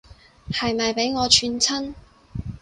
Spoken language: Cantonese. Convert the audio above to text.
係咪畀我串親